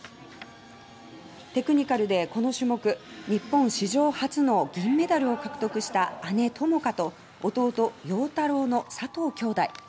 テクニカルで日本史上初の銀メダルを獲得した姉・友花と弟・陽太郎の佐藤姉弟。